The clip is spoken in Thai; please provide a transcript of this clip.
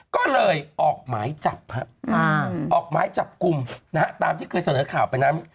ก็เลยออกหมายจับออกหมายจับกลุ่มตามที่เคยเสนอข่าวไปนั้น